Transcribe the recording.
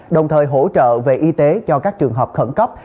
đồng thời hỗ trợ về y tế cho các trường hợp khẩn cấp